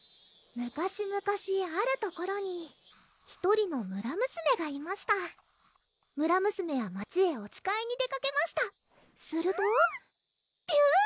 昔々あるところに１人の村娘がいました村娘は街へおつかいに出かけましたするとぴゅ！